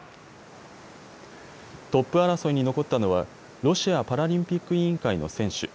トップ争いに残ったのはロシアパラリンピック委員会の選手。